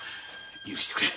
許してくれ。